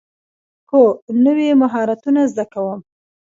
هو، نوی مهارتونه زده کوم